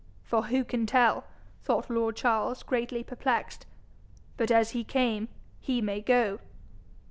'For who can tell,' thought lord Charles, greatly perplexed, 'but as he came he may go?'